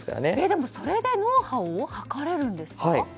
でも、それで脳波を測れるんですか？